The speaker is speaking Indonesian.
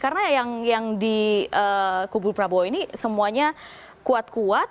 karena yang di kubur prabowo ini semuanya kuat kuat